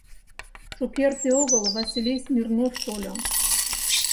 Шукерте огыл Василий Смирнов тольо...